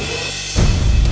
put sabar dong put